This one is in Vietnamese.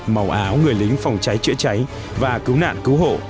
màu áo người lính phòng cháy chữa cháy và cứu nạn cứu hộ